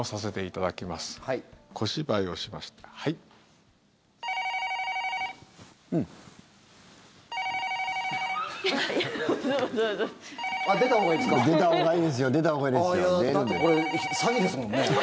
だってこれ、詐欺ですもんね。